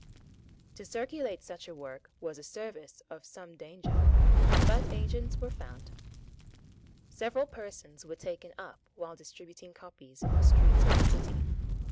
To circulate such a work was a service of some danger; but agents were found. Several persons were taken up while distributing copies in the streets of the city.